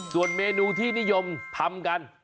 ส่วนเมนูที่นิยมทำกัน